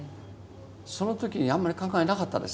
その時にあんまり感慨なかったです